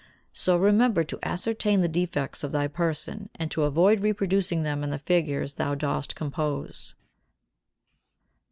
So remember to ascertain the defects of thy person and to avoid reproducing them in the figures thou dost compose.